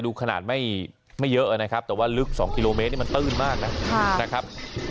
ดูขนาดไม่เยอะนะครับแต่ว่าลึก๒กิโลเมตรนี่มันตื้นมากนะครับ